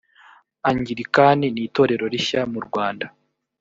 angilikani nitorero rishya murwanda.